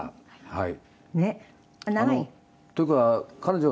はい。